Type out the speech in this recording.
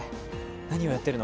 何をやってるの？